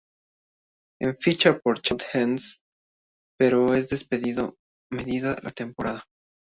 En ficha por Charlotte Hornets, pero es despedido mediada la temporada.